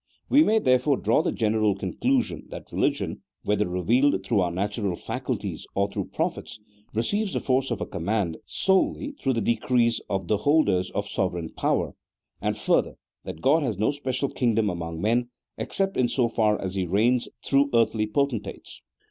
We may therefore draw the general conclu sion that religion, whether revealed through our natural faculties or through prophets, receives the force of a com mand solely through the decrees of the holders of sovereign power; and, further, that God has no special kingdom among men, except in so far as He reigns through earthly potentates.